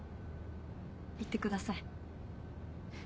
行ってください。